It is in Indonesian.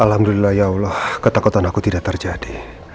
alhamdulillah ya allah ketakutan aku tidak terjadi